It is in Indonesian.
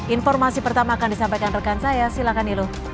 informasi pertama akan disampaikan rekan saya silakan ilu